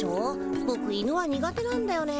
ぼく犬は苦手なんだよね。